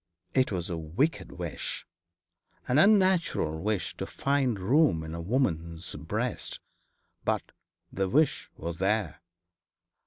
It was a wicked wish an unnatural wish to find room in a woman's breast; but the wish was there.